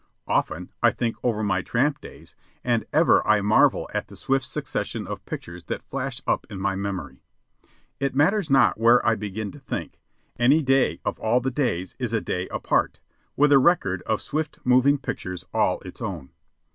Often I think over my tramp days, and ever I marvel at the swift succession of pictures that flash up in my memory. It matters not where I begin to think; any day of all the days is a day apart, with a record of swift moving pictures all its own.